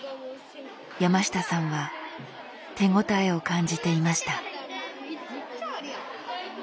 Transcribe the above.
山下さんは手応えを感じていました。